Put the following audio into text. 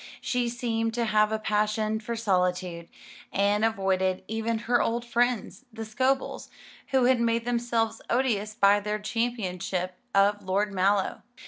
She seemed to have a passion for solitude, and avoided even her old friends, the Scobels, who had made themselves odious by their championship of Lord Mallow.